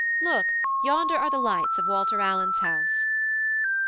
Look, yonder are the lights of Walter Allen's house!"